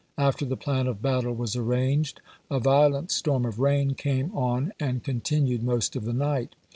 After the plau of battle was arranged, a violent storm of rain came on and continued most of the night.